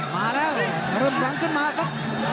มาแล้วเริ่มแรงขึ้นมาครับ